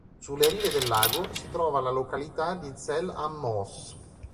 Sulle rive del lago si trova la località di Zell am Moos.